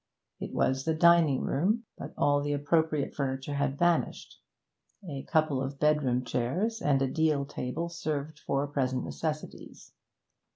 It was the dining room, but all the appropriate furniture had vanished: a couple of bedroom chairs and a deal table served for present necessities.